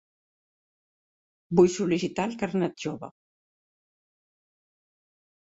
Vull sol·licitar el carnet jove.